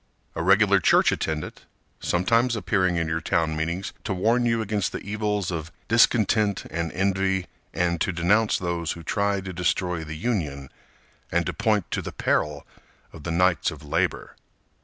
A regular church attendant, Sometimes appearing in your town meetings to warn you Against the evils of discontent and envy And to denounce those who tried to destroy the Union, And to point to the peril of the Knights of Labor.